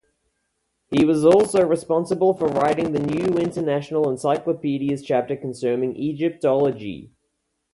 He was also responsible for writing the New International Encyclopedia's chapter concerning Egyptology.